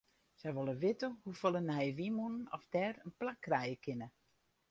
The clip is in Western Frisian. Sy wol witte hoefolle nije wynmûnen oft dêr in plak krije kinne.